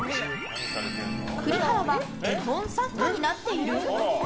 栗原は絵本作家になっている？